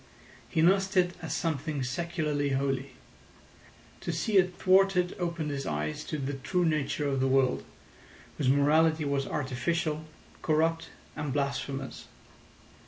He nursed it as something secularly holy. To see it thwarted opened his eyes to the true nature of the world, whose morality was artificial, corrupt, and blasphemous.